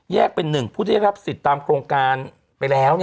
แยกเป็น๑ผู้ที่ได้รับสิทธิ์ตามโครงการไปแล้ว